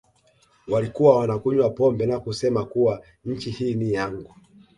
Walikuwa wanakunywa pombe na kusema kuwa nchi hii ni yangu